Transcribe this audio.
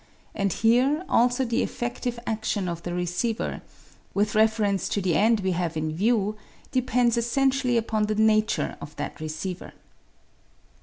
and here also the effedtive adion of the receiver, with reference to the end we have in view, depends essentially upon the nature of that receiver.